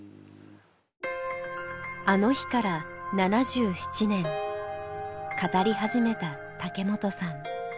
あの日から７７年語り始めた竹本さん